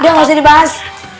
udah nggak usah dibahas